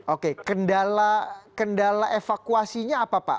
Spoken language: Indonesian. oke kendala evakuasinya apa pak